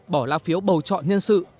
bỏ lá phiếu bầu chọn nhân sự